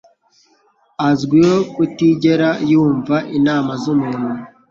azwiho kutigera yumva inama z'umuntu.